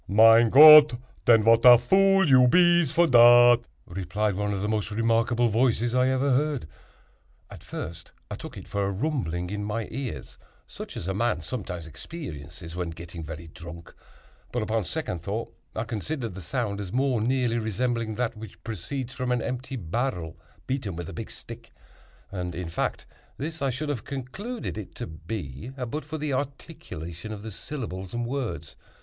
"Mein Gott, den, vat a vool you bees for dat!" replied one of the most remarkable voices I ever heard. At first I took it for a rumbling in my ears—such as a man sometimes experiences when getting very drunk—but, upon second thought, I considered the sound as more nearly resembling that which proceeds from an empty barrel beaten with a big stick; and, in fact, this I should have concluded it to be, but for the articulation of the syllables and words.